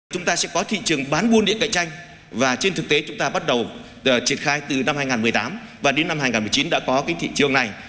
chúng ta sẽ có thị trường bán buôn điện cạnh tranh và trên thực tế chúng ta bắt đầu triển khai từ năm hai nghìn một mươi tám và đến năm hai nghìn một mươi chín đã có cái thị trường này